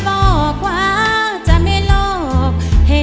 ทุกคนนี้ก็ส่งเสียงเชียร์ทางบ้านก็เชียร์